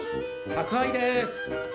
宅配です！